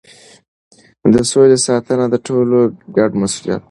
د سولې ساتنه د ټولو ګډ مسؤلیت دی.